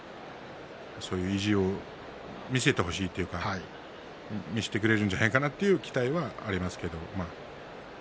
そういう意地を見せてほしいというか見せてくれるんじゃないかなという期待はありますけど。